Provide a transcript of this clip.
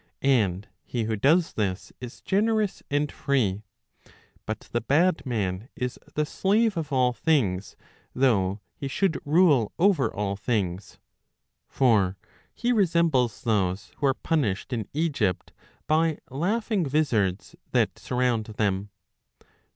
And he who does this is generous and free; but the bad man is the slave of all things though he should rule over all things. For he resembles those who are punished in Egypt, by laughing vizards that surround them.